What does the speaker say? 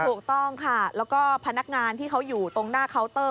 ถูกต้องค่ะแล้วก็พนักงานที่เขาอยู่ตรงหน้าเคาน์เตอร์